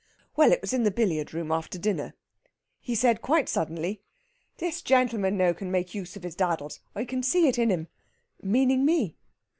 "Well, it was in the billiard room, after dinner. He said quite suddenly, 'This gentleman now can make use of his daddles. I can see it in him' meaning me.